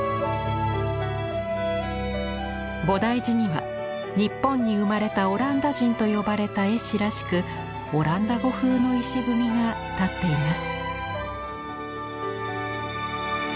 菩提寺には「日本に生まれたオランダ人」と呼ばれた絵師らしくオランダ語風の碑が建っています。